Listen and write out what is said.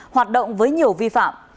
hoạt động với nhiều vi phạm